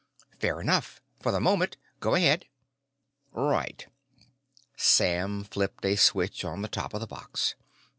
"Fair enough for the moment. Go ahead." "Right." Sam flipped a switch on the top of the box.